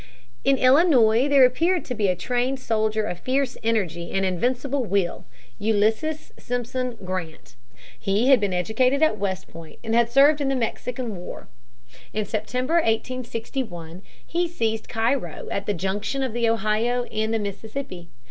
In Illinois there appeared a trained soldier of fierce energy and invincible will, Ulysses Simpson Grant. He had been educated at West Point and had served in the Mexican War. In September, 1861, he seized Cairo at the junction of the Ohio and the Mississippi.